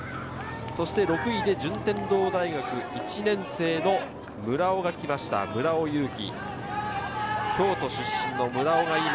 そして６位で順天堂大学、１年生の村尾が来ました、村尾雄己。